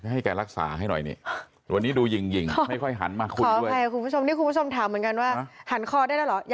ให้แกรักษาให้หน่อยวันนี้ดูหยิ่งไม่ค่อยหันมาหยุดด้วย